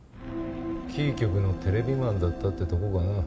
キー局のテレビマンだったってとこかな。